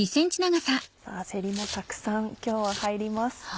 さぁせりもたくさん今日は入ります。